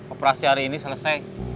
operasi hari ini selesai